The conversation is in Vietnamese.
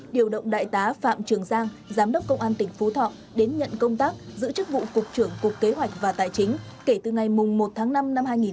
điều động đại tá phạm trường giang giám đốc công an tỉnh phú thọ đến nhận công tác giữ chức vụ cục trưởng cục kế hoạch và tài chính kể từ ngày một tháng năm năm hai nghìn hai mươi ba